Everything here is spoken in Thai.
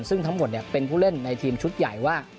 ซึ่งทั้งหมดเป็นผู้เล่นในทีมชุดใหญ่ว่า